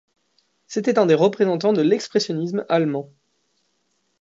C'était un des représentants de l'expressionnisme allemand.